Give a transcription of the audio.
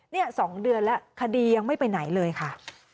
นี่๒เดือนแล้วคดียังไม่ไปไหนเลยค่ะ